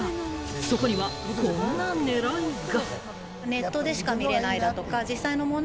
そこには、こんな狙いが。